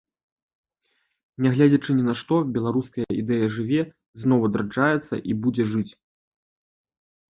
Нягледзячы ні на што, беларуская ідэя жыве, зноў адраджаецца і будзе жыць!